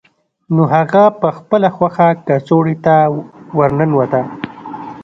نو هغه په خپله خوښه کڅوړې ته ورننوته